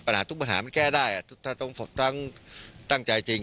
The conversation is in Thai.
ปัญหาทุกปัญหามันแก้ได้ถ้าต้องตั้งใจจริง